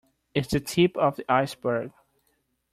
It's the tip of the iceberg.